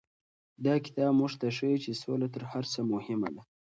دا کتاب موږ ته ښيي چې سوله تر هر څه مهمه ده.